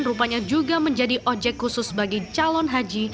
rupanya juga menjadi ojek khusus bagi calon haji